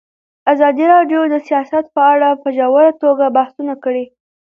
ازادي راډیو د سیاست په اړه په ژوره توګه بحثونه کړي.